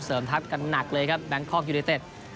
ทับกันหนักเลยครับแบงคอกยูเนเต็ด